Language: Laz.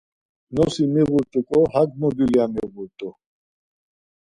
Nosi miğut̆uǩo hak mu dulya miğut̆u.